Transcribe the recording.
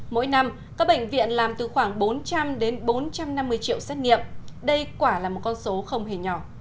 mỗi năm các bệnh viện làm từ khoảng bốn trăm linh đến bốn trăm năm mươi triệu xét nghiệm đây quả là một con số không hề nhỏ